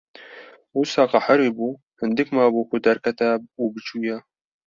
Wisa qehirîbû, hindik mabû ku derketa û biçûya.